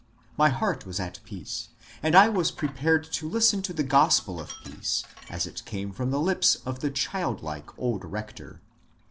'' My heart was at peace, and I was pre pared to listen to the gospel of peace, as it came from the lips of the childlike old rector.